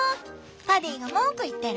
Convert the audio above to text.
パディが文句言ってる。